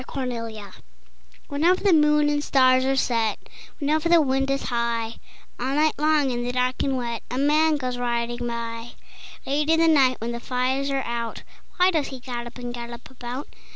IX Windy Nights Whenever the moon and stars are set, Whenever the wind is high, All night long in the dark and wet, A man goes riding by. Late in the night when the fires are out, Why does he gallop and gallop about?